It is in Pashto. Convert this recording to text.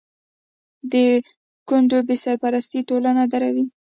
د کونډو بې سرپرستي ټولنه دردوي.